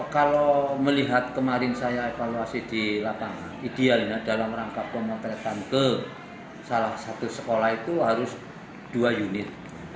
kalau melihat kemarin saya evaluasi di lapangan idealnya dalam rangka pemotretan ke salah satu sekolah itu harus dua unit